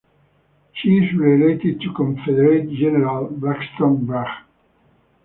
She is related to Confederate General Braxton Bragg.